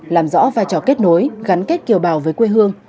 làm rõ vai trò kết nối gắn kết kiều bào với quê hương